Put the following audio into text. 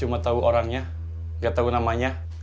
cuma tahu orangnya nggak tahu namanya